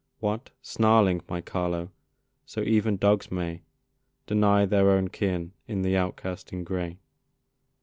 What! snarling, my Carlo! So even dogs may Deny their own kin in the outcast in gray.